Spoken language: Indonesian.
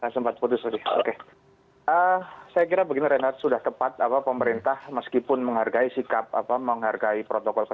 saya kira begini renat sudah tepat pemerintah meskipun menghargai sikap menghargai protokol penyelidikan